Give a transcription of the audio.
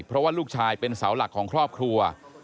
เพราะว่าลูกชายเป็นเสาหลักของครอบครัว